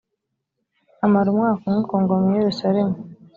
amara umwaka umwe ku ngoma i yerusalemu